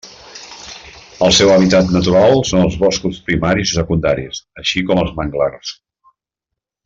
El seu hàbitat natural són els boscos primaris i secundaris, així com els manglars.